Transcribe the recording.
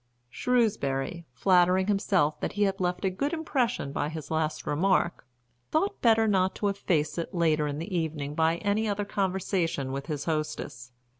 Shrewsbury, flattering himself that he had left a good impression by his last remark, thought better not to efface it later in the evening by any other conversation with his hostess.